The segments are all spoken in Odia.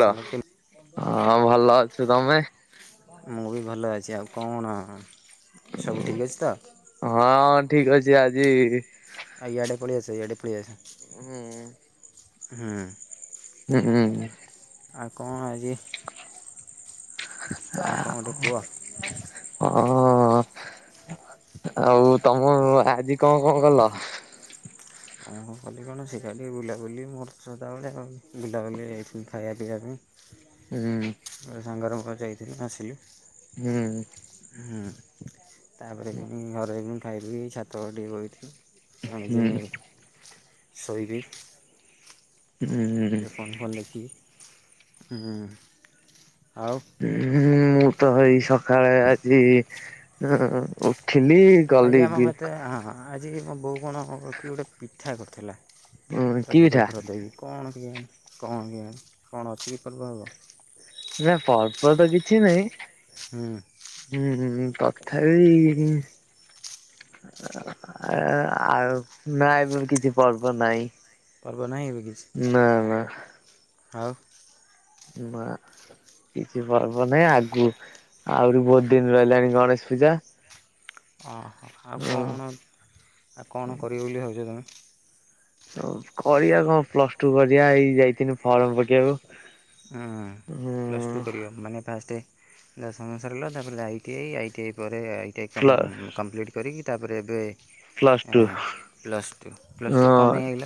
ହେଲୋ ସାଙ୍ଗ କେମିତି ହଁ ଭଲ ଅଛୁ। ତମେ ମୁଁ ବି ଭଲ ଅଛି ଆଉ କଣ? ସବୁ ଠିକ୍ ଅଛି ତ ହଁ ଠିକ ଅଛି ଆଜି ଇଆଡେ ପଳେଇ ଆସ ଇଆଡେ ପଳେଇ ଆସେ। ହୁଁ। ହୁଁ। ଉହୁଁ ହୁଁ। ଆଉ କଣ ଆଜି। ଆଉ କଣ ଗୋଟେ କୁହ ହଁ ହଁ ଆଉ ତମ ଆଜି କଣ କଣ କଲ? କଣ କଲି କଣ, ସେ ଖାଲି ବୁଲାବୁଲି ମୋର ତ ସଦାବେଳେ ଆଉ ବୁଲାବୁଲି। ଖାଇବା ପିଇବା ପାଇଁ। ହୁଁ ମୋ ସାଙ୍ଗରେ ମୋର ଯାଇଥିଲୁ ଆସିଲୁ। ହୁଁ। ହୁଁ ତାପରେ ପୁଣି ଘରେ ପୁଣି ଖାଇଲି ଏ ଛାତ ଉପରେ ଟିକେ ବଇଲି। ପୁଣି ହୁଁ ଜିମି ଶୋଇବି। ହୁଁ ଟିକେ ଫୋନ୍ ଫୋନ୍ ଦେଖିକି ହୁଁ। ଆଉ ଉଁ ମୁଁ ତ ଏଇ ସକାଳେ ଆଜି ଉଁ ଉ ଉଠିଲି ଆଜି ଗଲି ଆମ ଘରେ ତ ବିଲକୁ। ହଁ ଆଜି ମୋ ବୋଉ କଣ କି ଗୋଟେ ପିଠା କରିଥିଲା। ଉଁ କି ପୁର ପିଠା ଫୁର ଦେଇକି କଣ କଣ କେୟାଣି କଣ ଅଛି କି ପର୍ଵ ଫର୍ବ? ନା ପର୍ବ ତ କିଛି ନାହିଁ ହୁଁ ହୁଁ ହୁଁ ତଥାପି ଆ ଆ ଆଉ ନା ଏବେ କିଛି ପର୍ବ ନାଇଁ। ପର୍ବ ନାହିଁ ଏବେ। କିଛି ନା ନା। ଆଉ। ମା। କିଛି ପର୍ବ ନାହିଁ ଆଗୁ ଆହୁରି ବହୁତ ଦିନ ରହିଲାଣି ଗଣେଶ ପୂଜା। ଅହ ଆଉ କଣ ଆଉ କଣ କରିବି ବୋଲି ଭାବଛ ତମେ? କରିବା କଣ ପ୍ଲସ ଟୁ କରିବା ଏଇ ଯାଇଥିନି ଫର୍ମ ପକେଇବାକୁ ହଁ ପ୍ଲସ୍ ଟୁ ହୁଁ କରିବ ମାନେ ଫାଷ୍ଟେ? ଦଶମ ସାରିଲ ତାପରେ ଆଇଟି ଆଇ ଆଇଟିଆଇ ପରେ ଆଇଟିଆଇ ପ୍ଲ କ-କମ୍ପ୍ଲିଟ୍ କରିକି ତାପରେ ଏବେ ପ୍ଲସ ଟୁ ଆ ପ୍ଲସ୍ ଟୁ। ପ୍ଲସ୍ ଟୁ କଣ ପାଇଁ ଆଇଲ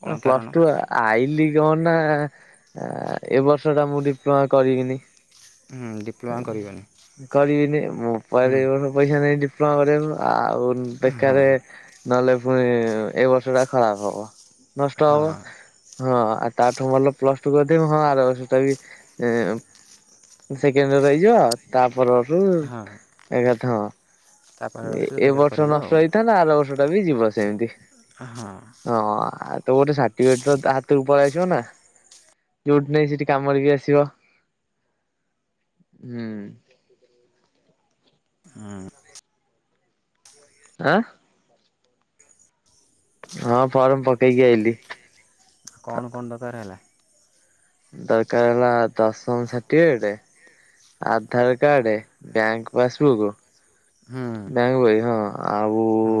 କଣ ପ୍ଲସ୍ କାରଣ ଟୁ ଆଇଲି କ ନା ଏ ବର୍ଷ ଟା ମୁଁ ଡିପ୍ଲୋମା କରିବିନି। ହୁଁ ଡିପ୍ଲୋମା କରିବନି କରିବିନି ମୋ ହୁଁ ପରେ ପଇସା ନେଇ କର ଆଉ ହଁ ବେକାର ନହେଲେ ପୁଣି ଏ ବର୍ଷଟା ଖରାପ ହବ ନଷ୍ଟ ହବ। ହଁ ହଁ ଆଉ ତାଠୁ ଭଲ ପ୍ଲସ ଟୁ କରିଦେବି ହଁ ଆର ବର୍ଷଟା ବି ସେକେଣ୍ଡରେ ରହିଯିବ ତାପରୁ ହଁ ଏକାଥା ହଁ ତାପରେ ଏ କେତେବେଳେ ବର୍ଷ କରିବ ନଷ୍ଟ ଆଉ ହେଇଥାନ୍ତା ଆର ବର୍ଷ ଟା ବି ଯିବ ସେମିତି। ହଁ। ହଁ ଆଉ ତ ଗୋଟେ ସାର୍ଟିଫିକଟ ତ ହାତରେ ପଳେଇ ଆସିବ ନା। ଯୋଉଠି ନାହିଁ ସେଠି କାମରେ ବି ଆସିବ। ହୁଁ। ହୁଁ। ଆଁ! ହଁ ଫର୍ମ ପକେଇକି ଆଇଲି। କଣ କଣ ଦରକାର ହେଲା ଦରକାର ହେଲା ଦଶନ certificate Aadhaar card bank pass book ହୁଁ ବ୍ୟାଙ୍ଗ ବଇ ହଁ ଆଉ ହଁ।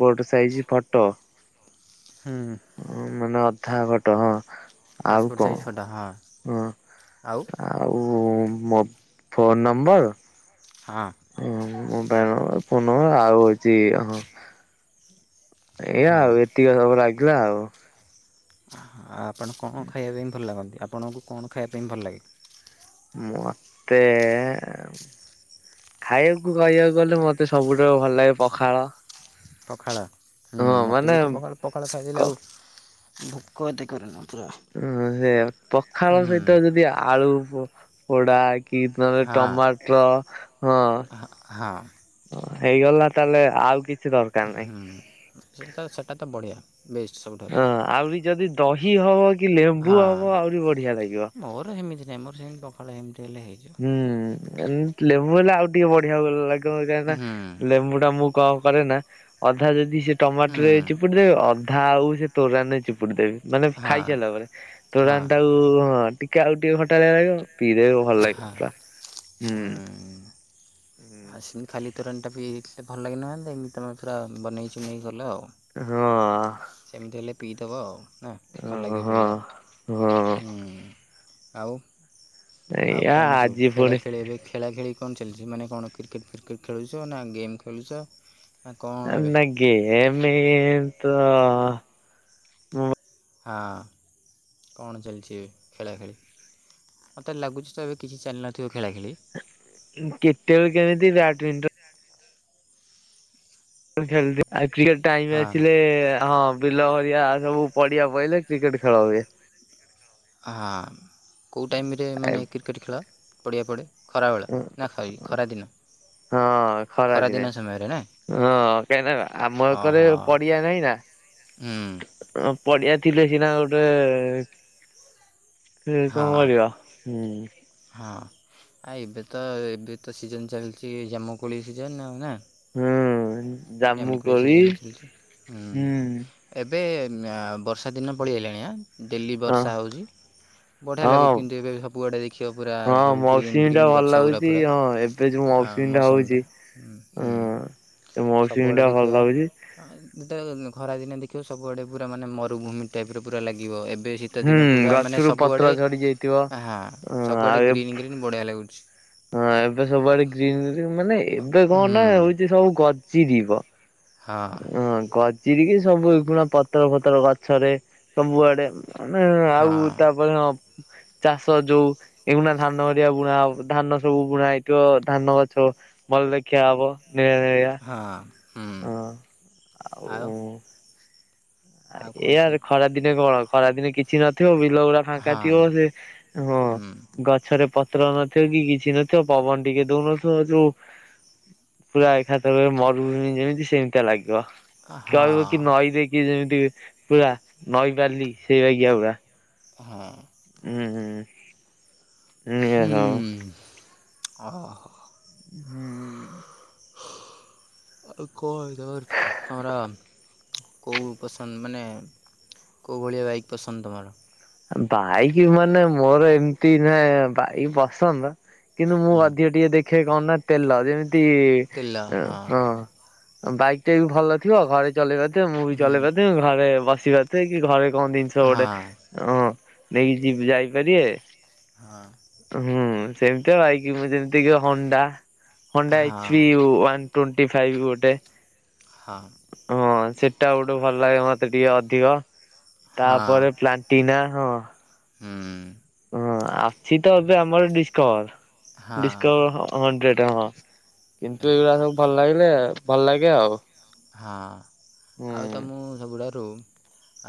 Port size photo. ହୁଁ। ହ ମାନେ ଅଧା ଘଟ ହଁ। ଆଉ ପାସପୋର୍ଟ ସାଇଜ୍ ଫଟୋ ହଁ କଣ ହଁ ଆଉ ଆଉ ମୋ ଫୋନ ନମ୍ବର ହଁ। ମୋବାଇଲ ଫୋନ ନମ୍ବର ଆଉ ଏଛି ହଁ। ଏଇ ହଁ ଆଉ ଏତିକି ସବୁ ଲାଗିଲା ଆଉ ଆପଣ କଣ ଖାଇବା ପାଇଁ ଭଲ ଲାଗନ୍ତି ଆପଣଙ୍କୁ କଣ ଖାଇବା ପାଇଁ ଭଲ ଲାଗେ? ମତେ ଖାଇବାକୁ କହିବାକୁ ଗଲେ ମତେ ସବୁଠୁ ଭଲ ଲାଗେ ପଖାଳ। ପଖାଳ ହୁ ହଁ ମୋତେ ମାନେ ବି ତ ପଖାଳ ପଖାଳ କ ଖାଇଦେଲେ ଆଉ ଭୋକ ଏତେ କରେନା। ପୁରା ହ ସେ ପଖାଳ ହୁଁ ସହିତ ଯଦି ଆଳୁ ପୋ -ପୋଡା କି ନହେଲେ ହଁ ଟମାଟ ହଁ। ହଁ ହେଇଗଲା ତାହେଲେ ଆଉ କିଛି ଦରକାର ନାହିଁ। ହୁଁ ସେ ସେଟା ତ ବଢିଆ। ହ ଆହୁରି ଯଦି ଦହି ହବ କି ହଁ ଲେମ୍ବୁ ହବ ଆହୁରି ବଢିଆ ଲାଗିବ। ଯେମର ସେମିତି ପଖାଳଳେ ଏମିତି ହେଲେ ହେଇଯିବ। ଏ ଲେମ୍ବୁ ହେଲେ ଆଉ ଟିକେ ବଢିଆ ଲାଗିବ କାହିଁକି ନା ହୁଁ ଲେମ୍ବୁ ଟା ମୁଁ। କଣ କରେ ନା ଅଧା ଯଦି ସେ ଟମାଟୋ ରେ ହୁଁ ଚିପୁଡ଼ି ଦେବେ ଅ ଧା ଆଉ ସେ ତୋରାନି ଚିପୁଡି ଦେବି। ମାନେ ଖାଇସାରିଲା ହଁ ପରେ। ତୋରାନ୍ ହଁ ଟାକୁ ଟି ଟ ଆଉ ଟିକେ ଖଟା ଲାଗିବ। ପିଇଦେବେ ଭଲ ଲାଗେ। ହୁଁ ଆସି ଖାଲି ତୋରାଣି ଟା ପିଇଲେ ଭଲ ଲାଗିନଥାନ୍ତା ଏମି ତମେ ପୁରା ବନେଇ ଚୁନେଇ କଲ ଆଉ। ହଁ। ସେମିତି ହେଲେ ପିଇଦବ ଆଉ ନା ଭଲ ଲାଗିବ ହଁ ପିଇଲେ ଆଉ। ହଁ। ହୁଁ। ଆଉ ଆଉ ଏଇଆ କଣ ସବୁ ଆଜି ଖେଳା ପୁଣି ଖେଳି ଏବେ ଖେଳା ଖେଳି କଣ ଚାଲିଛି ମାନେ କଣ କ୍ରିକେଟ ଫ୍ରିକେଟ ଖେଳୁଛ। ନା ଗେମ୍ ଖେୁଳୁଛ। ନା ଗେମେ ତ ହଁ କଣ ଚାଲିଛି ଏବେ ଖେଳା ଖେଳି। ମତେ ଲାଗୁଛି ତ ଏବେ କିଛି ଚାଲି ନଥିବ। କେତେବେଳେ କେମିତି ବ୍ୟାଡମିଣ୍ଟନ ଖେଳ ଆଉ କ୍ରିଏଟ ଟାଇମ ହଁ ଆସିଲେ ହଁ। ବିଲ ହରିଆ ସବୁ ପଡିଆ ପଇଲେ କ୍ରିକେଟ ଖେଳ ହୁଏ। ହଁ କୋଉ ଟାଇମ୍ ରେ ମାନେ କ୍ରିକେଟ୍ ଖେଳ ପଡିଆ ପଡେ। ଖରାବେଳ ନା ଖାଇ ଖରାଦିନ। ହଁ। ଖରା ଖରାଦିନ ଦିନେ ସମୟରେ ନା ହଁ କାହିଁକ ନା ଆମକରେ ପଡିଆ ନାହିଁ ନା। ଉଁ। ପଡିଆ ଥିଲେ ସିନା ଗୋଟେ ସେ କଣ ହଁ କରିବା ହୁଁ। ହଁ ଆ ଏବେ ତ ଏବେ ତ ସିଜନ ଚାଲିଛି ଜାମୁକୋଳି ସିଜନ ଆଉ ନା। ହୁଁ ଜାମୁକୋଳି [unintelligible] ହୁଁ ଏବେ ବର୍ଷା ଦିନ ପଳି ଆଇଲାଣି ଆ ଡେଲି ହଁ ବର୍ଷା ହେଉଛି। ବଢିଆ ହଁ ଲାଗୁଛି କିନ୍ତୁ ଏବେ ସବୁଆଡେ ଦେଖ ପୁରା ହଁ ସବୁ ଗ୍ରୀନ୍ ମୌସୁମୀ ଟା ଗ୍ରୀନ୍ ଭଲ ଗଛ ଗୁରା ଲାଗୁଛି ପୁରା ହଁ ଏବେ ଯୋଉ ମୌସୁମୀ ଟା ହଉଛି ମସମଟା ହଁ ହୁଁ। ସେ ମୌସୁମୀ ଟା ଭଲ ଲାଗୁଛି। ଟ ଖରା ଦିନେ ଦେଖିବ ସବୁଆଡେ ପୁରା ମାନେ ମରୁଭୂମି ଟାଇପରେ ପୁରା ଲାଗିବ। ଏ ଏବେ ହୁଁ ଶୀତଦିନ ପୁରା ମାନେ ଗଛରୁ ପତ୍ର ସବୁଆଡେ ଝଡି ଯାଇଥିବ ହଁ ସବୁଆଡେ ଆଉ ଗ୍ରୀନ୍ ଗ୍ରୀନ୍ ବଢିଆ ଲାଗୁଛି। ହଁ ଏବେ ସବୁଆଡେ ଗ୍ରୀନ୍ ମାନେ ଏବେ କଣ ନା ହୁଁ ହଉଛି ସବୁ ଗର୍ଜି ଯିବ। ହଁ ଗଜିରିକ ସବୁ ପଣା ପତର ଫତର ଗଛରେ ସବୁଆଡେ। ମାନେ ଆଉ ହଁ ତାପରେ ହଁ। ଚାଷ ଯୋଉ ଏଗୁଣା ଧାନ କରିବାଆ ବୁଣା ଧାନ ସବୁ ବୁଣା ଏଇଠୁ ଧାନ ଗଛ। ମଲ ଦେଖିଆ ହବ। ନିଳିଆ ନିଳିଆ ହଁ ହୁଁ ହଁ ଆଉ। ଆ ଆଉ କଣ ସବୁ ଏଆରେ ଖରା ଦିନେ କଣ ଖରା ଦିନେ କିଛି ନଥିବ। ବିଲ ଗୁଡା ଫାଙ୍କା ହଁ ଥିବ। ସେ ହଁ ହୁଁ ଗଛରେ ପ ପତ୍ର ନଥିବ କି କିଛି ନଥିବ। ପବନ ଟିକେ ଦଉନଥିବ ଯୋଉ ପୁରା ଏକା ତା ମରୁନି ଯେମିତି ସେମିତି ଲାଗିବ। କହିବ ହଁ କି ନଈ ଦେଇକି ଯେମିତି ପୁରା ନଈ ବାଲି ସେଇ ବାଗିଆ ପୁରା। ହଁ। ହୁଁ ହୁଁ। ଏ ହଉ। ହୁଁ ଓ ହୋ। ହୁଁ। ଆଉ କ ଧର ଆରା। କୋଉ ପସନ୍ଦ ମାନେ କୋଉ ଭଳିଆ ବାଇକ୍ ପସନ୍ଦ ତମର। ବାଇକି ମାନେ ମୋର ଏମତି ନା ବାଇକି ପସନ୍ଦ। କିନ୍ତୁ ମୁଁ ହୁଁ ଅଧିକ ଟିକେ ଦେଖେ କଣ ନା ତେଲ। ଯେମିତି ହଁ। ବାଇକ୍ ଟେ ବି ଭଲ ଥିବ। ଘରେ ଚଲେଇ ପାରୁଥିବେ। ମୁଁ ବି ହୁଁ ଚଲେଇ ପାରୁଥିବି। ଘରେ ବସି ପାରୁଥିବେ। କି ଘରେ କଣ ଜିନିଷ ଗୋଟେ ହଁ ହଁ ନେଇକି ଯି ଯାଇପାରିବେ। ହଁ ହୁଁ ସେମିତିଆ ବାଇକି କି ଯେମିତିକା କି ହୁଣ୍ଡା। ହୁଣ୍ଡା ଏଚ୍ ହଁ ବି ୱାନ ଟେଣ୍ଟି ଫାଇବ ଗୋଟେ। ହଁ ହଁ ସେଟା ଗୋଟେ ଭଲ ଲାଗେ ମତେ ଟିକେ ଅଧିକ। ହଁ ତାପରେ ପ୍ଲାଣ୍ଟିନା ହଁ ହୁଁ। ହଁ ଆଛି ତ ଏବେ ଆମର ଡିସ୍କଭର ଡିସ୍କଭର ହଁ ହଣ୍ଡ୍ରେଡ୍ ହଁ। କିନ୍ତୁ ଏଇରା ହଁ ସବୁ ଭଲ ଲାଗିଲେ ଭଲ ଲାଗେ ଆଉ। ହଁ ହୁଁ ଆଉ ତ ମୁଁ ସବୁଠାରୁ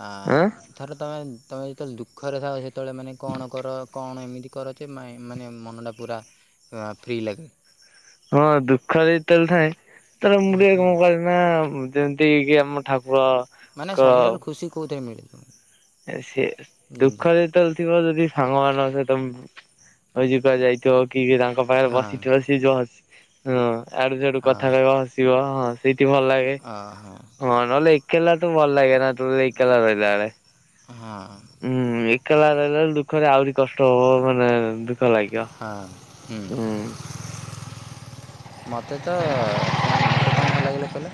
ଆଁ ଥରେ ତମେ ତୁମେ ଯେତେବେଳେ ଦୁଃଖରେ ଥାଅ ସେତେବେଳେ ମାନେ କଣ କର କଣ ଏମିତି କରଜେ ମାଇଁ ମାନେ ମନ ଟା ପୁରା ଅଁ ଫ୍ରି ଲାଗେ? ହଁ ଦୁଃଖରେ ଯେତେବେଳେ ଥାଏ ସେତେଳେ ମୁଁ ଟିକେ କଣ କରେ ନା ଯେମିତି କି ଆମ ଠାକୁ ମାନେ ସବୁଠାରୁ ଖୁସି କୋଉଥିରେ ମିଳେ? ତମକୁ ଏ ସେ ଯେମିତି ଦୁଃଖ ରେ ଯେତେବେଳେ ଥିବ ଯଦି ସାଙ୍ଗ ମାନଙ୍କ ସହିତ ଏଇଜି କୁଆଡେ ଯାଇଥିବ କି କି ତାଙ୍କ ପାଖରେ ହେଲେ ବସିଥିବ ସିଏ ଯୋଉଁ ହସି ହଁ ଆଡୁ ସଡୁ ହଁ କଥା କହିବ ହସିବ ହଁ ସେଇଠି ଭଲ ଲାଗେ ହଁ ଅ ହଁ ନହେଲେ ଏ କେଲା ତ ଭଲ ଲାଗେନା ଟୋଟାଲ ଏକେଲା ରହିଲା ବେଳେ। ହଁ। ହୁଁ ଏକେଲା ରହିଲା ବେଳକୁ ଦୁଃଖରେ ଆହୁରି କଷ୍ଟ ହବ ମାନେ ଦୁଃଖ ଲାଗିବ। ହଁ ହୁଁ। ମୋତେ ତ କଣ ମୋତେ କଣ ଭଲ ଲାଗିଲେ କହିଲ'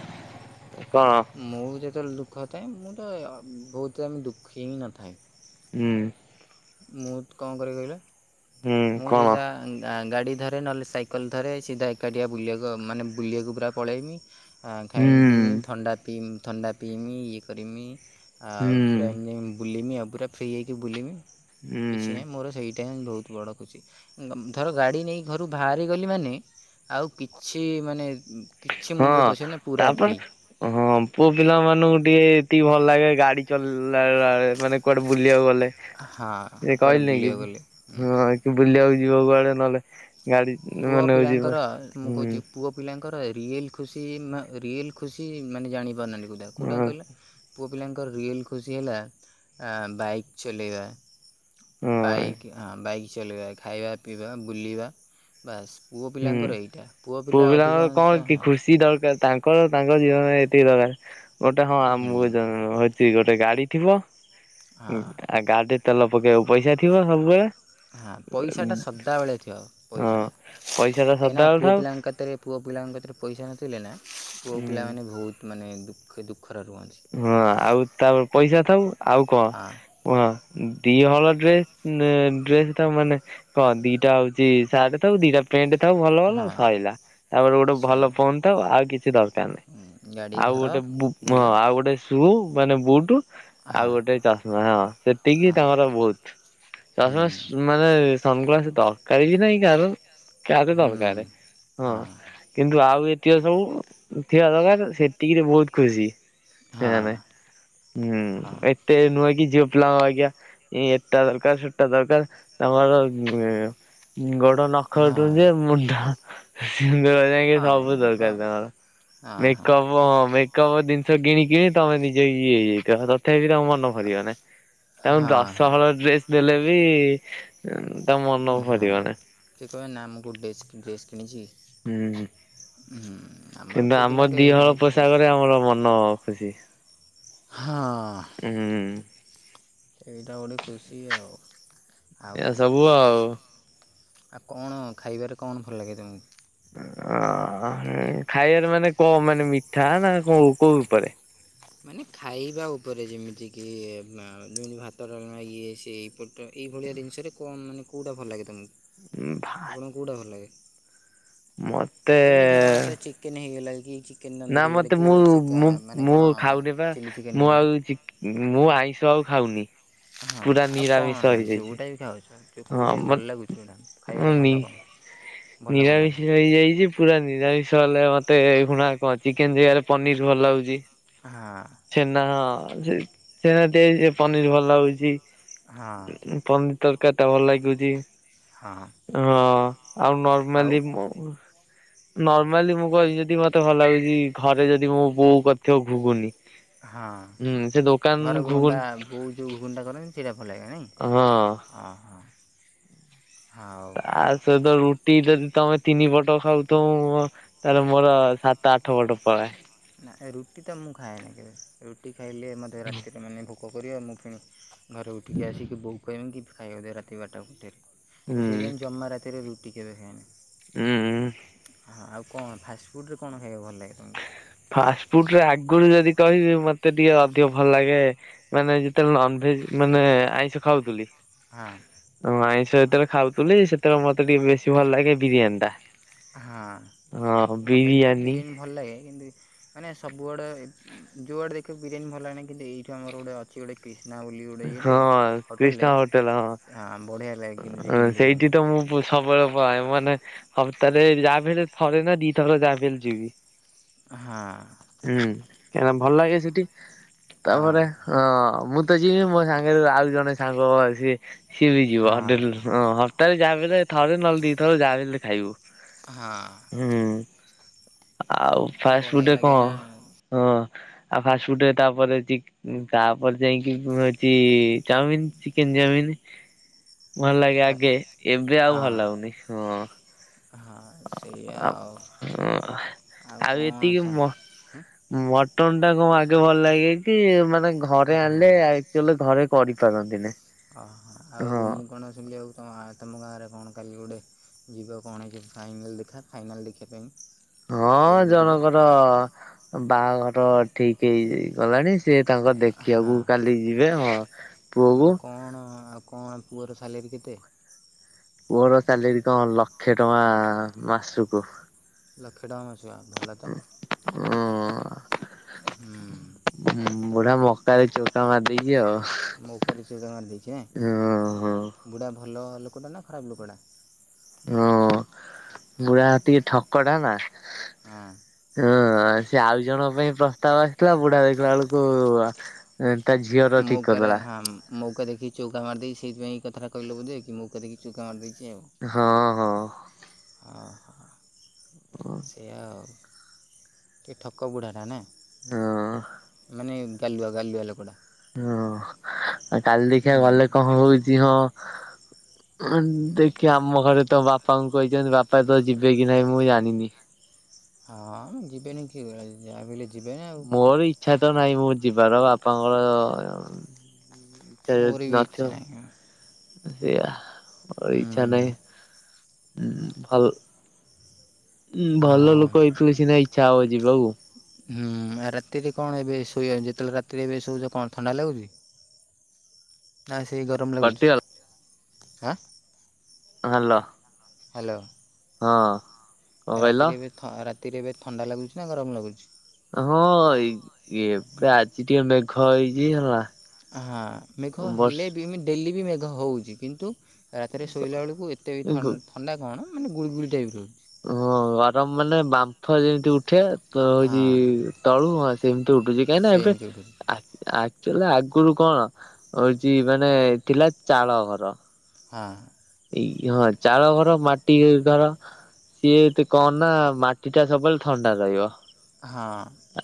କଣ ମୁଁ ଯେତବେଳେ ଦୁଃଖ ଥାଏ ମୁଁ ତ ବହୁତ୍ ଟାଇମ୍ ଦୁଃଖି ହିଁ ନ ଥାଏ। ହୁଁ। ମୁତ୍ କଣ କରେ କହିଲେ ହୁଁ ମୁଁ କଣ ସିଧା ଆଁ ଗାଡ଼ି ଧରେ ନହେଲେ ସାଇକେଲ ଧରେ ସିଧା ଏକାଟି ଆ ବୁଲିବାକୁ ଆଉ ମାନେ ବୁଲିବାକୁ ପୁରା ପଳେଇମି ଆଁ ହୁଁ ଖାଇମ୍ ପିଇମି, ଥଣ୍ଡା ପିମ୍, ଥଣ୍ଡା ପିଇମି, ଇ ଏ କରିମି ଆଉ ପୁରା ହୁଁ ଏମି ବୁଲିମି, ପୁରା ଫ୍ରି ହେଇକି ବୁଲିମି, କିଛି ହୁଁ ନାଇଁ ମୋର ସେଇ ତେନ୍ ବହୁତ୍ ବଡ ଖୁସି ଧର ଗାଡି ନେଇ ଘରୁ ବାହାରି ଗଲି ମାନେ ଆଉ କିଛି ମାନେ କିଛି ହଁ ମୁଣ୍ଡରେ ପଶିବନି ତା ପୁରା ଫ୍ରି ପାଇଁ ହଁ ପୁଅ ପିଲା ମାନଙ୍କୁ ଟିକେ ଏତିକି ଭଲ ଲାଗେ ଗାଡି ଚଲ ଇଲା ବେଳେ ମାନେ କୁଆଡେ ବୁଲିବାକୁ ଗଲେ ହଁ ସେ କୁଆଡ଼େ କହିଲେ କି ବୁଲିବାକୁ ଗଲେ ହଁ ବୁଲିବାକୁ ଯିବ କୁଆଡେ ନହେଲେ ଗାଡି ପୁଅ ମନେଉଛି ଯିବ ହୁଁ ତାଙ୍କର ରିୟଲ୍ ଖୁସି ନା ରିୟଲ୍ ଖୁସି ମାନେ ଜାଣି ପାରୁନାହାନ୍ତି କୋଉ ଟାକୁ କୋଉଟାକୁ ହଁ କହିଲେ? ପୁଅ ପିଲାଙ୍କ ରିୟଲ୍ ଖୁସି ହେଲା ଆ ବାଇକ୍ ଚଲେଇବା। ହଁ ବାଇକ୍ ହଁ ବାଇକ୍ ଚଲେଇବା ଖାଇବା ପିଇବା ବୁଲିବା ବାସ୍ ପୁଅ ହୁଁ ପିଲାଙ୍କର ଏଇଟା ପୁଅ ପିଲା ଅଧିକାଂଶ ହଁ। ତାଙ୍କ ତାଙ୍କ ଜୀବନରେ ଏତିକି ଦରକାର ଗୋଟେ ହଁ ଆ ମୋ ହୁଁ ଦର ସେ ଗୋଟେ ଗାଡି ଥିବ ହଁ ଆ ଗାଡିରେ ତେଲ ପକେଇବାକୁ ପଇସା ଥିବ ସବୁବେଳେ ହଁ ପଇସାଟା ସଦାବେଳେ ଥିବ ହଁ ପଇସାଟା। ପଇସା ଟା କାହିଁକିନା ସଦାବେଳେ ପୁଅ ଥାଉ ପିଲାଙ୍କ କତିରେ ପୁଅ ପିଲାଙ୍କ କତିରେ ପଇସା ନଥିଲେ ନା ପୁଅ ହୁଁ। ପିଲା ମାନେ ବହୁତ୍ ମାନେ ଦୁଖେ ଦୁଖେ ହଁ ଆଉ ତାପରେ ପଇସା ଥାଉ ଆଉ କଣ ହଁ କୁହ? ଦି ହଳ ଡ୍ରେସ୍ ଡ୍ରେସ୍ ତା ମାନେ କଣ ଦି ଟା ହଉଛି ସାର୍ଟ ଥାଉ ଦି ଟା ପେଣ୍ଟ ତାକୁ ଭଲ ନା ହଁ ପାଇଲା। ତା ବେଳକୁ ଗୋଟେ ଭଲ ସଇଲା ଫୋନ୍ ଥାଉ ଆଉ କିଛି ଦର୍ ଦରକାର୍ ନାହିଁ ଆଉ ଗୋଟେ ବୁ ଆଉ ଗୋଟେ ବୁ ମାନେ ବୁଉଟୁ [unintelligible] ସନ୍ ଗ୍ଲାସ୍ ଦରକାର୍ ହୀ ନାହିଁ କାହାର କାହାର ଦରକାର୍ ହଁ କିନ୍ତୁ ଆଉ ଏ କିଏ ସବୁ ଥିବା ଦରକାର୍ ସେଥିକିରେ ବହୁତ୍ ଖୁସି। ସେୟା ନାଇଁ ହୁଁ ଏତେ ନୁହେଁକି ଝିଅ ପିଲାଙ୍କ ପରିକା ଏଟା ଦର୍ କାର୍ ସେଟା ଦର୍ କାର୍ ତମର ଗୋ ନଖ ଟୁ ଯେ ମୁଣ୍ଡ ଗୋର ଜାଇଁକି ସବୁ ଦର୍ କାର୍ ତାଙ୍କର ମେକପ ମେକପ ଜିନିଷ କିଣି କିଣି ତମେ ନିଜେ ଇଏ ହେଇଯାଇଥିବ ତଥାପି ତମ ମନ ଭରିବ ନା ତାଙ୍କୁ ହଁ ହଁ ଦଶହଳ ଡ୍ରେସ। ଦେଲେ ବି ତା ମନ ହଁ ଭରିବ ନାହିଁ। କିଏ କହେ ନା ମୁଁ ଗୋଟିଏ ଡ୍ରେସ୍ କିଣିଛି। ହୁଁ, ହୁଁ। [inaudible] କିନ୍ତୁ ପୁଅ ଆମ ପିଲାଙ୍କର ଏଇଟା ଦିହଳ ହେଉଛି ଖୁସି ପୋଷାକରେ ଆମର ମନ ଖୁସି। ହଁ। ହୁଁ ସେଇଟା ଗୋଟେ ଖୁସି ଆଉ। ଆଉ ଏ କ'ଣ ସବୁ ଆଉ। ଆଉ କଣ ଖାଇବାରେ କଣ ଭଲ ଲାଗେ ତୁମକୁ? ଅ। ଅ ଖାଇବାରେ ମାନେ କଣ ମାନେ ମିଠା ନା କ କୋଉପରେ? ମାନେ ଖାଇବା ଉପରେ ଯେମିତି କି ଯେମ ଭାତ, ଡାଲମା ଇଏ ସେ ଏଇପଟ। ଏଇଭଳିଆ ଜିନିଷରେ କଣ ମାନେ କେଉଁଟା ଭଲ ଲାଗେ ତମକୁ? ଭା ଆପଣଙ୍କୁ କେଉଁଟା ଭଲ ଲାଗେ? ମତେ ଯେମିତି ଧର ମୋତେ ଚିକେନ୍ ହେଇଗଲା କି ଚିକେନ୍ ତନ୍ଦୁରୀ ହେଇଗଲେ କି ଚିକା ମାନେ କଣ ହଉ ଦେବା ଚିଲି ଚିକେନ୍ ମୁଁ ହେଇଗଲା ଆଉ ଚିକେ ଆଇଁଷ ଆଉ ଖାଉନି। ହଁ ପୁରା ଆଉ ନିରାମିଷ କଣ ହେଇଯାଇଛି। ଯଉଟା ବି ଖାଉଛନ୍ତି। ହଁ କେଉଁଠେ ମ ଭଲ ଲାଗୁଛି? ମ୍ୟାଡ଼ାମ୍ ଖାଇବାରେ ନି ଭଲ କଣ? ଭଲ କଣ ନିରାମିଷ ଲାଗେ ହେଇଯାଇଛି ପୁରା ନିରାମିଷ ହେଲେ ମତେ। ମତେ ହୁଣା କଣ ଚିକେନ ଜାଗାରେ ପନିର ଭଲ ଲାଗୁଛି ହଁ ଛେନା ହଁ ସେ ସେନାତିଆ ସେ ପନିର ଭଲ ହଉଛିି। ହଁ କେଟା ଭଲ ଲାଗୁଛି ହଁ ହଁ ଆଉ ଆଉ ନର୍ମାଲି ନର୍ମାଲି ମୁଁ କହିବି ଯଦି ମତେ ଭଲ ଲାଗୁଛି ଘରେ ଯଦି ମୋ ବୋଉ କରିଥିବ ଘୁଗୁନି। ହଁ ହୁଁ ସେ ଘର ଦୋକାନ ଘୁଗୁନି ବୋଉ ଯୋଉ ଘୁଗୁନିଟା କରେ ସେଟା ଭଲ ଲାଗେ। [inaudible] ହଁ ହଉ ତା ସହିତ ରୁ ଟି ଯଦି ତମେ ତିନି ପଟ ଖାଉଥିବ, ତାହେଲେ ମୋର ସାତ ଆଠ ପଟ ପଳାଏ। ରୁଟି ତ ମୁଁ ଖାଏ ନା କେବେ ରୁଟି ଖାଇଲେ ମଧ୍ୟ ରାତିରେ ମାନେ ଭୋକ କରିବ ମୁଁ କିଣି ଘରେ ଉଠିକି ଆସିକି ବୋଉ କହିବି କି ଖାଇବାକୁ ଦେ ରାତି ବାରଟା ଗୋଟେରେ ହୁଁ ମୁଁ ସେଇଥିପାଇଁ ଜମା ରାତିରେ ଟିକେ ଦେଖଏନି। ଉୁଁ ହୁଁ। କଣ ଫାଷ୍ଟଫୁଡ଼ରେ କଣ ଖାଇବାକୁ ଭଲ ଲାଗେ? ତୁମକୁ ଫାଷ୍ଟ ଫୁଡରେ ଆଗରୁ ଯଦି କହିବେ ମତେ ଏତେ ଟିକେ ଅଧିକ ଭଲ ଲାଗେ ମାନେ ଯେତେବେଳେ ନନଭେଜ୍ ମାନେ ଆଇଁଷ ଖାଉଥିଲି। ହଁ ହଁ ଆଇଁଷ ଯେତେବେଳେ ଖାଉଥିଲି ସେତେବେଳେ ମତେ ଟିକେ ବେଶୀ ଭଲ ଲାଗେ। ବିରିୟାନ ଟା ହଁ ହଁ ମୋତେ ବି ତ ବିରିୟାନୀ। ଭଲ ଲାଗେ କିନ୍ତୁ ମାନେ ସବୁଆଡେ ଯୁଆଡେ ଦେଖିବ ବିରିୟାନୀ ଭଲ ଲାଗେ କିନ୍ତୁ ଏଇଠୁ ଆମର ଗୋଟେ ଅଛି ଗୋଟେ ସନା ବୋଲି ଗୋଟେ ଇଟେ ହଁ ହୋଟେଲରେ କ୍ରିଷ୍ଣା ହୋଟେଲ ହଁ ବଢ଼ିଆ ଲାଗେ କିନ୍ତୁ ଚିକେନ ବିରିୟାନୀଟା। ସବର ଉପ ମାନ ହପ୍ତାହରେ ଯାହାବି ହେଲେ ଥରେ ନା ଦିଥର ଯାହାବି ହେଲେ ଯିବି। ହଁ। ହୁଁ ଭଲ ଲାଗେ ସେଠି ହଁ ତାପରେ ଅ ମୁଁ ତ। ଯ ମୋ ସାଙ୍ଗରେ ଆଉ ଜଣେ ସାଙ୍ଗ ସି ସିଏ ବି ଯିବ ହଁ ହୋଟେଲ। ରେ ଯାହାବି ହେଲେ ଥରେ ନହେଲେ ଦିଥର ଯାହାବି ହେଲେ ଖାଇବୁ। ହଁ। [inaudible] ଆଉ ଆ ଫାଷ୍ଟ ବଢ଼ିଆ ଫୁଡରେ ଲାଗେ କଣ? ନା। ହଁ। ଆଉ ଫାଷ୍ଟ ଫୁଡରେ ତାପରେ ତାପରେ ଯାଇକି ହଉଛି ଚାଉମିନ, ଚିକେନ। ଚାଉମିନ ଭଲ ଲାଗେ ଆଗେ ଏବେ ଆଉ ଭଲ ହଁ। ଲାଗୁନି। ହଁ। ହଁ ସେଇଆ ଆଉ ହଁ ଆଉ କଣ ଏତିକି ସା ମ ମଟନ ଟା ଆଗେ ଭଲ ଲାଗେ କି ମାନେ ଘରେ ଆଣିଲେ ହଁ। ଆକ୍ଚୁଲି ଘରେ କରିପାରନ୍ତି ନାଇଁ। ଓହୋ ଆଉ ମୁଁ କଣ ଶୁଣିଲି ଆଉ ତମ ଗାଁ ରେ କଣ କାଲି ଗୋଟେ ଯିବା କଣ ହେ ଫାଇନାଲ୍ ଦେଖା ଫାଇନାଲ ଦେଖିବା ପାଇଁ ହଁ କୋଉଠି ଗୋଟେ ଯିବ ଜଣଙ୍କର ବାହାଘର ଠିକ ହେଇଯାଇ ଗଲାଣି। ସିଏ ତାଙ୍କ ହଁ। ଦେଖିବାକୁ କାଲି ଯିବେ ହଁ ପୁଅକୁ ଆଉ କଣ ଆଉ କଣ ପୁଅର ସାଲେରୀ କେତେ? ମୋର ସାଲେରିି କଣ ଲକ୍ଷେ ଟଙ୍କା ମାସକୁ। ଲକ୍ଷେ ଟଙ୍କା ମାସକୁ ଆଉ ଭଲ ତ। ଉଁ ହୁଁ। ବୁଢା ମକାରେ ଚଉକା ମାରିଦେଇଛି ଆଉ। ମଉକାରେ ଚଉକା ମାରି ଦେଇଛି ହଁ ହଁ ଏଁ ବୁଢ଼ା ଭଲ ଲୋକଟା ନା ଖରାପ ଲୋକଟା? ହଁ ବୁଢା ଟିକେ ଠକ ଟା ନା ହୁଁ। ହଁ ସେ ଆଉ ଜଣଙ୍କ ପାଇଁ ପ୍ରସ୍ତାବ ଆସିଥିଲା ବୁଢା ଦେଖିଲା ବେଳକୁ ଏ ମଉକା ରେ ହାମ ମଉକା ଦେଖି କି ଚୌକା ମାରି ଦେଇଛି ସେଥିପାଇଁ ଏଇ କଥା ଟା କହିଲ ବୋଲି କି ମଉକା ଦେଖି ଚଉକା ମାରି ଦେଇଛି। ହଁ, ହଁ। ଓହୋ ସେଇଆ ଆଉ ଟିକେ ଠକ ବୁଢ଼ାଟା ନା? ହଁ ମାନେ ଗାଲୁଆ ଗାଲୁଆ ଲୋକଟା। ହଁ ଆ କାଲି ଦେଖିବା ଗଲେ ହୁଁ କଣ ହଉଛି ହଁ। ଦେଖିଆ ଆମ ଘରେ ତ ବାପାଙ୍କୁ କହିଛନ୍ତି ବାପା ତ ଯିବେ କି ନାହିଁ ମୁଁ ଜାଣିନି। [inaudible] ହଁ ଯିବେନି କିଏ କହିଲା ଯାହା ବି ହେଲେ ଯିବେନି ଆଉ ମୋର ଇଚ୍ଛା ତ ନାହିଁ ମ ଯିବାର ବାପାଙ୍କର ସେ ମୋର ଯଦି ବି ଇଚ୍ଛା ନଥିବ। ନାହିଁ ସେଇଆ ମୋର ଇଚ୍ଛା ହୁଁ ନାହିଁ। ହୁଁ ଭଲ ଭଲ ହଁ ଲୋକ ହେଇଥିଲେ ସିନା ଇଚ୍ଛା ହଉଛି ହୁଁ ରାତିରେ କଣ ଏବେ ଶୋଇ ଯେତେବେଳେ ରାତିରେ ଏବେ ଶୋଉଛ କଣ ଥଣ୍ଡା ଲାଗୁଛି? ନା ସେଇ ଗରମ ଲାଗୁଛି କଟିଗଲା ଆଁ ହାଲୋ। ହାଲୋ। ହଁ। କଣ କହିଲ? ରାତିରେ ଏବେ ଥ ରାତିରେ ଏବେ ଥଣ୍ଡା ଲାଗୁଛି ନା ଗରମ ଲାଗୁଛି? ହଁ ଏବେ ଆଜି ଟିକେ ମେଘ ହେଇଛି ହେଲା। ହଁ ମେଘ ବର୍ଷ ହେଲେ ବି ମ ଡେଲି ବି ମେଘ ହଉଛି କିନ୍ତୁ ରାତିରେ ଶୋଇଲା ବେଳକୁ ଏତେ ବି ଗ ଥଣ୍ଡା ଥଣ୍ଡା କଣ ମାନେ ଗୁଳିଗୁଳି ଟାଇପ୍ ରହୁଛି। ହଁ ଗରମ ମାନେ ବାମ୍ଫ ଯେମିତି ଉଠେ ତ ହଉଛି ହଁ ତଳୁ ହଁ ଆସେ ଉଠୁଛି କାହିଁକି ନା ଏବେ ସେମିତି ଉଠୁଛି ଆଜ ଆକ୍ଚୁଲି ଆଗରୁ କଣ ହଉଛି ମାନେ ଥିଲା ଚାଳ ଘର। ହଁ। ଏଇ ହଁ ଚାଳ ଘର ମାଟି ଘର। ସିଏ ଏତେ କଣ ନା ମାଟି ଟା ସବୁବେଳେ ଥଣ୍ଡା ରହିବ। ହଁ।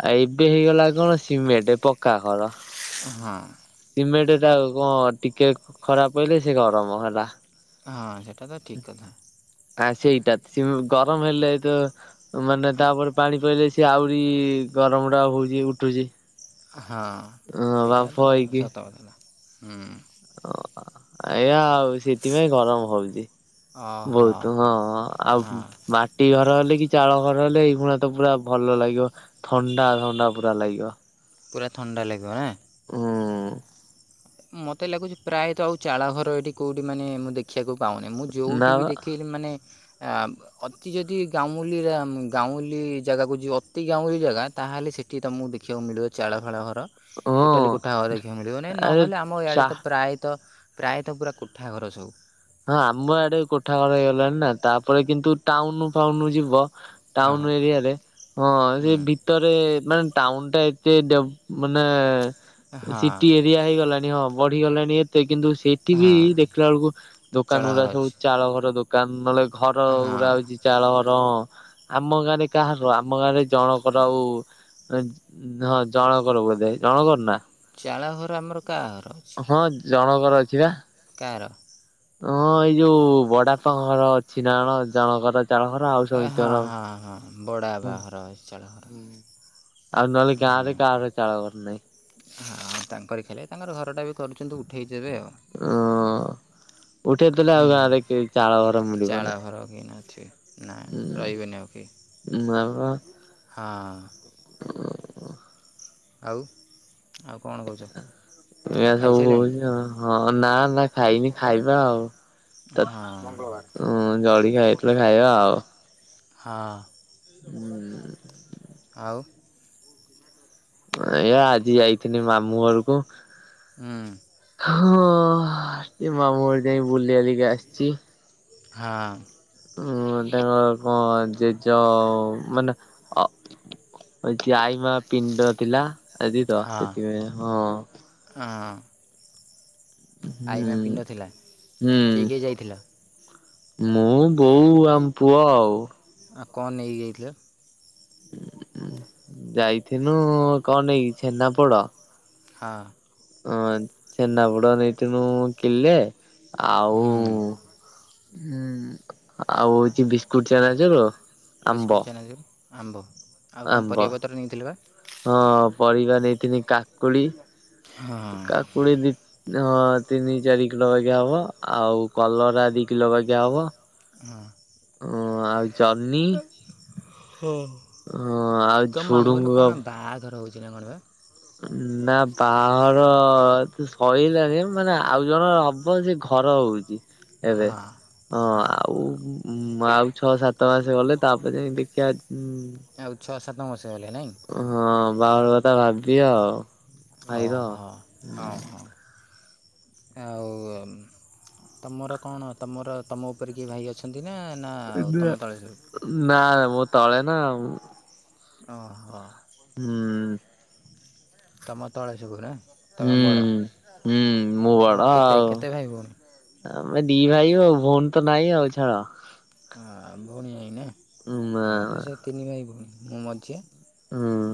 ଆଉ ଏବେ ହେଇଗଲା କଣ ସିମେଣ୍ଟ ପକ୍କା ଘର। ହଁ ସିମେଟ ଟା କଣ ଟିକେ ଖରାପ ହେଲେ ସେ ଗରମ ହେଲା। ହଁ ସେଟା ତ ଠିକ କଥା। ଆ ସେଇଟା ସେ ଗରମ ହେଲେ ତ ମାନେ ତାପରେ ପାଣି ପଇଲେ ସେ ଆହୁରି ଗରମ ଟା ହଉଛି ଉଠୁଛି। ହଁ ହଁ ସେଇଟା ବାମ୍ଫ ତ ସତ କଥା ହୁଁ। ଓ ଏୟା ଆଉ ସେଥିପାଇଁ ଗରମ ହଉଛି। ଓହୋ ବହୁତ ହଁ ହଁ ଆଉ ମାଟି ଘର ଘର ହେଲେ କି ଚାଳ ଘର ହେଲେ ଏଇଗୁଣା ତ ପୁରା, ଭଲ ଲାଗିବ ଥଣ୍ଡା ଥଣ୍ଡା ପୁରା ଲାଗିବ। ପୁରା ଥଣ୍ଡା ଲାଗିବ ହଁ। ମତେ ଲାଗୁଛି ପ୍ରାୟତଃ ଆଉ ଚାଳଘର ଏଠି କୋଉଠି ମାନେ ମୁଁ ଦେଖିବାକୁ ପାଉନି ମୁଁ ନା ଯୋଉଠି ବି ବା ଦେଖେଇି ମାନେ ଆ ଅତି ଯଦି ଗାଉଁଲି ଗାଉଁଲି ଜାଗାକୁ ଯ ଅତି ଗାଉଁଲି ଜାଗା ତାହେଲେ ସେଠି ତମକୁ ଦେଖିବାକୁ ମିଳିବ ଚାଳ ଫାଳ ଘରେ ହଁ ଟା କୋଠା କୋଠାଘର ଦେଖିବାକୁ ମିଳିବନି ଆରେ ନହେଲେ ଆମ ଇଆଡେ ଚା ପ୍ରାୟତ ପ୍ରାୟତଃ ପୁରା କୁଠା ଘର ସବୁ ହଁ ଆମ ଆଡେ କୋଠା ଘର ହେଇଗଲାଣି ନା ତାପରେ କିନ୍ତୁ ଟାଉନ ଫାଉନ ଯିବ ଟାଉନ ହଁ ଏରିଆରେ ହଁ ସେ ଭିତରେ ମାନେ ଟାଉନ ଟା ଏତେଡ ମାନେ ହଁ ସିଟି ହଁ ଏରିଆ ହେଇଗଲାଣି ହଁ ବଢିଗଲାଣି ଏତେ କିନ୍ତୁ ସେଇଠି ବି ହଁ ଦେଖିଲା ବେଳକୁ ଚାଳ ଦୋକାନ ଗୁଡା ଘର ଅଛି ସବୁ ଚାଳ ଘର ଦୋକାନ ନହେଲେ ଘର ହଁ ଗୁଡା ହଉଛି ଚାଳ ଘରଁ ଆମ ଗାଁରେ କାହାର ଆମ ଗାଁରେ ଜଣକର ଆଉ ହଁ ଜଣ କରର ଜଣ କର ନା? ଚାଳହର ଆମର କାହାଘର ଅଛି। ହଁ ଜଣଙ୍କର ଅଛି ବା। କାର? ହଁ ଏଇ ଯୋଉ ବଡପାଘର ଅଛି ନାଣ ଜଣକର ଚାଳ ଘର ଆଉ ସହିତର ବଡ଼ବାପା ଘର ଘର ଆଉ ନହେଲେ ଗାଁ ରେ କାହାରଚାଳ ଘର ନାହିଁ। ହଁ ତାଙ୍କରି ଖାଲେ ତାଙ୍କର ଘରଟା ବି କରୁଛନ୍ତି ଉଠାଇ ଦେବେ ଆଉ। ହ [inaudible] ଉଠେଇ ଦେଲେ ଆଉ ହୁଁ ଗାଁରେ ଚାଳ ଘର ମିଳିବନ ଚାଳ ଘର କେହି ନଥିବେ ନା ହୁଁ। ରହିବେନି ଆଉ କେହି [unintelligible] ହଁ। [inaudible] ଆଉ! ଆଉ କ'ଣ କହୁଛ ଏଇଆ ଆଉ ସବୁ ଖାଇସାରିଲଣି ହଉଛି ହଁ ନା ନା ଖାଇନି ଖାଇବା ଆଉ। ହଁ ଜଳ ଖାଇଇ ପ ଖାଇବା ଆଉ [inaudible] ହଁ ହୁଁ ଆଉ! ଏ ଆଜି ଯାଇଥିଲି ମାମୁଁ ଘରକୁ ହଁ। ହଁ ସେ ମାମୁଁ ଘର ଯାଇ ବୁଲିିବାଲିକି ଆସିଛି। ହଁ। ଉଁ ତାଙ୍କର କଣ ଜେଜ ମାନେ ଅ ଆଈ ମା ପିଣ୍ଡ ଥିଲା ଆଜି ତ ହଁ ସେଥିପାଇଁ ହଁ ହଁ ଆଇମା ପିଣ୍ଡ ଥିଲା ହୁଁ ହୁଁ। କିଏ କିଏ ଯାଇଥିଲ ମୁଁ ବୋଉ ଆମ ପୁଅ ଆଉ ଆଉ କଣ ନେଇଯାଇଥିଲା? ଯାଇଥିନୁ କଣ ଏଇ ଛେନାପୋଡ ହଁ। ହଁ ଛେନାପୋଡ ନେଇଠିନୁ କିଲେ ଆଉ ହୁଁ ହୁଁ ଆଉ ହଉଛି ବିସ୍କୁଟ ଆମ୍ବ ବିସ୍କୁଟ୍ ଚେନାଜୁର ଆମ୍ବ ଆଉ କଣ ଆମ୍ବ ପରିବାପତ୍ର ନେଇଥିଲ ବା ହଁ ପରିବା ନେଇଥିଲି କାକୁଡି ହଁ କାକୁଡି ଦି ହଁ ତିନି ଚାରି କିଲୋ ବାଗିଆ ହବ ଆଉ କଲରା ଦି କିଲୋ ବାଗିଆ ହବ ହଁ। ଓ ଆଇକି। ହ ହଁ ଆଉ ତ ମାମୁଁ ଘର ଝୁଡୁଙ୍ଗ କଣ ବାହାଘର ହଉଛି। ଏଇନା କଣବା। ନା ବାହାଘର ତ ସଇଲାଣିି ମାନେ ଆଉ ଜଣଙ୍କର ହବ ସେଘ ଘର ହଉଚି ଏବେ ହଁ ହଁ ଆଉ ହୁଁ ଆଉ ଛଅ ସାତ ମାସ ଗଲେ ତାପରେ ଯାଇଁ ଦେଖିବା। ଉଁ ଆଉ ଛଅ ସାତ ମାସ ଗଲେ ନାଇଁ ହଁ ବାହାଘର କଥା ଭାବିବା ଆଉ ଓ ଭାଇର। ହୋ ଓ ହୋ। ଆଉ ତମର କଣ ତମର ତମ ଉପରେ କିଏ ଭାଇ ଅଛନ୍ତି? ନା ନା ଆଉ ତମେ ତଳେସବୁ। ନା ମୁଁ ତଳେ ନା ଉଁ। ଓହୋ। ହୁଁ। ତମ ତଳେ ସବୁଗୁରା। ତମେ ବଡ଼ ହୁଁ ମୁଁ ବଡ ତମର କେତେ ଆଉ କେତେ ଭାଇ ଭଉଣୀ। ଆମେ ଦି ଭାଇ ଆଉ ଭଉଣୀ ତ ନାଇଁ ଆଉ ଛାଡ। ଆ ଭଉଣୀ ନାଇ ନା ଆମର ତ ହୁଁ ସେ ତିନି ଭାଇ ଭଉଣୀ ମୁଁ ମଝିଆ।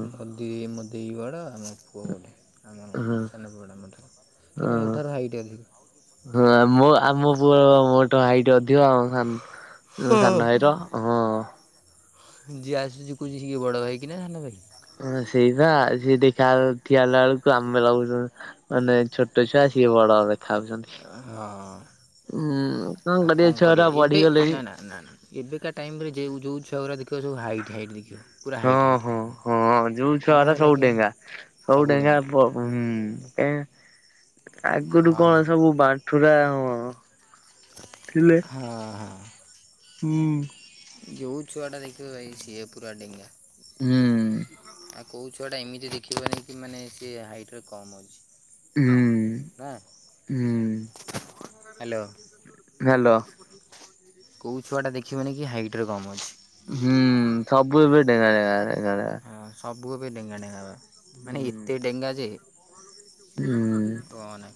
ମୋ ଦେଇ ମୋ ଦେଇ ଵଡ ଆମ ପୁଅ ଗୋଟେ। ହୁଁ ସାନ ପୁଅଟା ମଧ୍ୟ କିନ୍ତୁ ହଁ। ମୋଠାରୁ ହାଇଟ୍ ଅଧିକ। ହଁ ମୋ ଆମ ପୁଅ ମୋଠୁ ହାଇଟ ଅଧିକ ସାନ ହଁ ଭାଇର ହଁ। ଯିଏ ଆସୁଚି କହୁଛି ସିଏ ବଡ ଭାଇ କି ନା ସାନ ଭାଇ। ହଁ ସେଇପା ସିଏ ଦେଖାଗ ଠିଆ ହେଲା ବେଳକୁ ଆମେ ଲାଗୁଛୁ ମାନେ ଛୋଟ ଛୁଆ। ସଏ ବଡ ଦେଖାଉଛନ୍ତି। ହଁ। ଉଁ। ଆ କଣ କରିବା ଏବେ ନା-ନା-ନା-ନା ଏବେକା ଟାଇମ ରେ ଜେ ଯୋଉ ଛୁଆଗୁରା ଦେଖ ତୋ ଯୋଗୁ ହାଇଟ୍ ହାଇଟ୍ ଦେଖିବ ପୁରା ହଁ ହାଇଟ୍ ହାଇଟ୍। ହଁ ହଁ ଯୋଉ କଣ ଛୁଆଗୁରା ହେଲା ସବୁ କେଜାଣି ଡେଙ୍ଗା ସବୁ ସବୁଗୁଡ଼ାକ। ଡେଙ୍ଗା ପ ହୁଁ ହୁଁ ଆଗରୁ ହଁ। କଣ ସବୁ ବାଣ୍ଠୁରା ହଁ ଥିଲେ ହଁ-ହଁ। ହୁଁ। ଜୋଉ ଛୁଆଟା ଦେଖୀବ ଭାଇ ସିଏ ପୁରା ଡେଙ୍ଗା। ହୁଁ। ଆଉ କୋଉ ଛୁଆ ଟା ଏମିତି ଦେଖିବନି କି ମାନେ ସିଏ ହାଇଟ୍ ରେ କମ ଅଛି। ହୁଁ। [inaudible] ନା? ହୁଁ ହ୍ୟାଲୋ ହଲୋ। କଉ ଛୁଆଟା ଦେଖିବେନି କି ହାଇଟରେ କମ ଅଛି। ହୁଁ ସବୁ ଏବେ ଡେଙ୍ଗା ଡେଙ୍ଗା। ଡେଙ୍ଗା ଡେଙ୍ଗା। ହଁ ସବୁ ଏବେ ଡେଙ୍ଗା ଡେଙ୍ଗା ହେବା ମାନେ ଏତେ ହୁଁ ଡେଙ୍ଗା ଯେ କୁହନା ହୁଁ।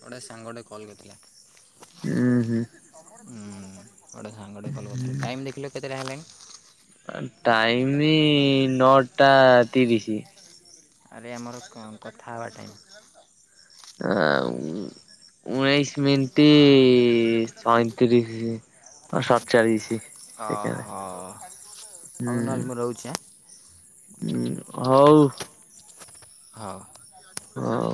ଗୋଟେ ସାଙ୍ଗଟେ କଲ୍ କରିଥିଲା। ହୁଁ-ହୁଁ ହୁଁ ଗୋଟେ ସାଙ୍ଗଟେ କଲ କରିଥିଲା ଟାଇମ ଦେଖିଲେ କେତେଟା ହେଲାଣି? ଟାଇମି ଇ ନଅଟା ତିରିଶ। ଆରେ ଆମର କଥା ହେବା ଟାଇମ୍। ଆ ଉଣେଇଶି ମିନିଟ ସଇଁତିରିଶ ସଦଚାଲିଛି ସେ ଓହୋ। ହଉ ନହେଲେ ମୁଁ ରହୁଚି। ହଁ, ହଉ। ହଁ। ହଁ।